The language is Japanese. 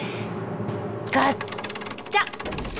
ガッチャ。